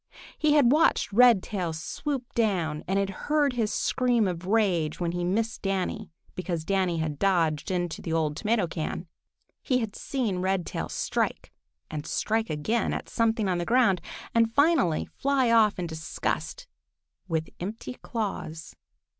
He had watched Redtail swoop down and had heard his scream of rage when he missed Danny because Danny had dodged into the old tomato can. He had seen Redtail strike and strike again at something on the ground, and finally fly off in disgust with empty claws.